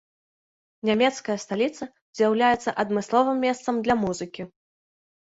Нямецкая сталіца з'яўляецца адмысловым месцам для музыкі.